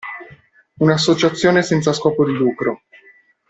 Un'associazione senza scopo di lucro.